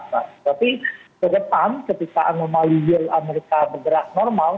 tapi ke depan ketika anomali yield amerika bergerak normal